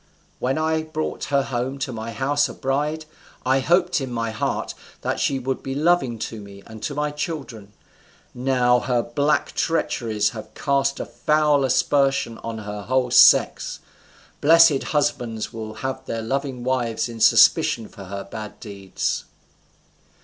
When I brought her home to my house a bride, I hoped in my heart that she would be loving to me and to my children. Now, her black treacheries have cast a foul aspersion on her whole sex. Blessed husbands will have their loving wives in suspicion for her bad deeds."